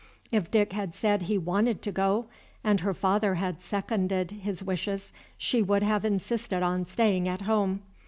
If Dick had said he wanted to go and her father had seconded his wishes, she would have insisted on staying at home.